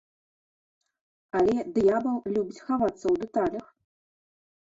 Але д'ябал любіць хавацца ў дэталях.